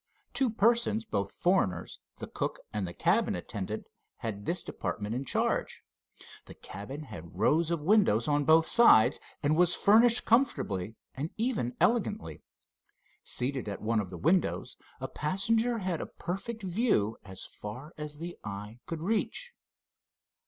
Two persons, both foreigners, the cook and the cabin attendant, had this department in charge. The cabin had rows of windows on both sides, and was furnished comfortably and even elegantly. Seated at one of the windows, a passenger had a perfect view as far as the eye could reach.